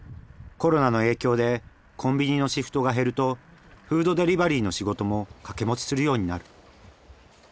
コロナの影響でコンビニのシフトが減るとフードデリバリーの仕事も掛け持ちするようになる。